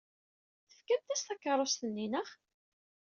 Tefkamt-as takeṛṛust-nni, naɣ?